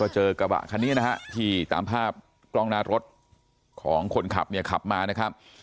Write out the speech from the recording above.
เจอกระบะคันนี้นะฮะที่ตามภาพกล้องหน้ารถของคนขับเนี่ยขับมานะครับ